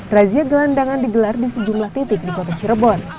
razia gelandangan digelar di sejumlah titik di kota cirebon